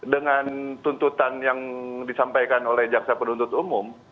dengan tuntutan yang disampaikan oleh jaksa penuntut umum